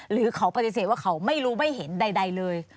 หรือเขาปฏิเสธว่าเขาไม่รู้ไม่เห็นใดเลย